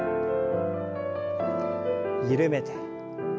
緩めて。